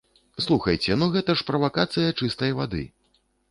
Слухайце, ну, гэта ж правакацыя чыстай вады.